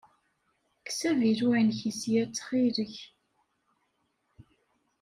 Kkes avilu-inek ssya, ttxil-k.